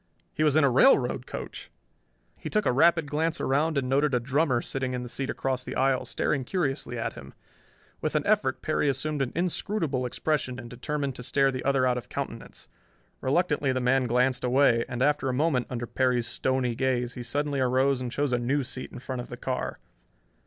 He was in a railroad coach! He took a rapid glance around and noted a drummer sitting in the seat across the aisle, staring curiously at him. With an effort Perry assumed an inscrutable expression and determined to stare the other out of countenance. Reluctantly the man glanced away, and after a moment, under Perry's stony gaze, he suddenly arose and chose a new seat in front of the car.